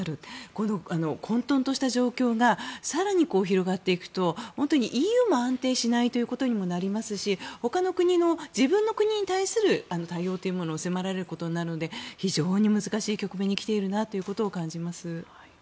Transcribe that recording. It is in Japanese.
この混とんとした状況が更に広がっていくと本当に、ＥＵも安定しないことにもなりますし他の国も自分の国に対する対応を迫られるので非常に難しい局面に来ているなと感じます。